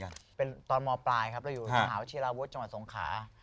ตอนอาทมปลายภาวชิลาวทจสงขา